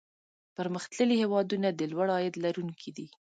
پرمختللي هېوادونه د لوړ عاید لرونکي دي.